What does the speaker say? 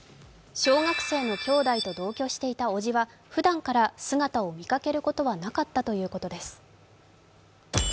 小学生の兄弟と同居していたおじはふだんから姿を見かけることはなかったということです。